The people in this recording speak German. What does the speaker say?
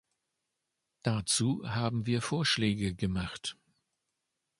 Dazu haben wir Vorschläge gemacht.